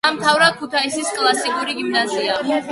დაამთავრა ქუთაისის კლასიკური გიმნაზია.